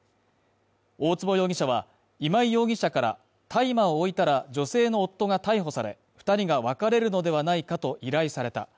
大坪容疑者は今井容疑者から大麻置いたら、女性の夫が逮捕され、２人が別れるのではないかと依頼された。